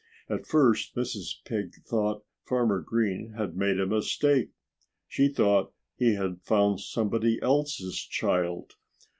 At first Mrs. Pig thought Farmer Green had made a mistake. She thought he had found somebody else's child.